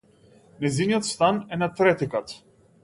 Нејзиниот стан е на трети кат.